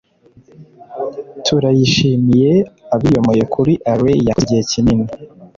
turayishimiye abiyomoye kuri alain yakoze igihe kinini